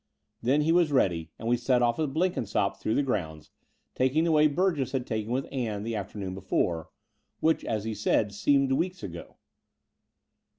Then he was ready ; and we set off with Blenkin sopp through the grounds, taking the way Burgess had taken with Ann the afternoon before, which, as he said, seemed weeks ago.